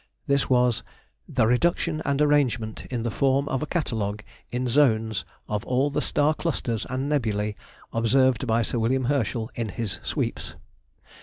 This was "The Reduction and Arrangement in the form of a Catalogue, in Zones, of all the Star clusters and Nebulæ observed by Sir W. Herschel in his Sweeps."